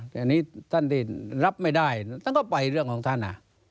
ตอนนี้ท่านรับไม่ได้งงไปเรื่องของท่าน